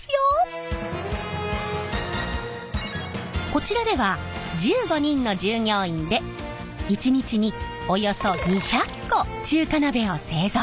こちらでは１５人の従業員で１日におよそ２００個中華鍋を製造。